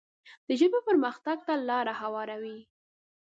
د ژبې پرمختګ ته لاره هواروي.